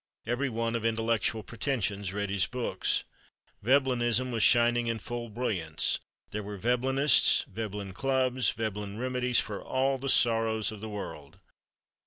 Every one of intellectual pretentions read his books. Veblenism was shining in full brilliance. There were Veblenists, Veblen clubs, Veblen remedies for all the sorrows of the world.